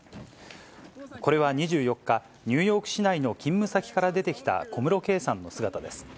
これは２４日、ニューヨーク市内の勤務先から出てきた小室圭さんの姿です。